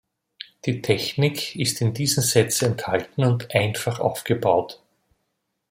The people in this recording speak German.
Die Technik ist in diesen Sets enthalten und einfach aufgebaut.